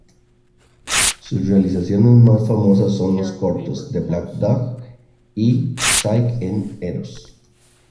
Sus realizaciones más famosas son los cortos "The Black Dog" y "Psyche and Eros".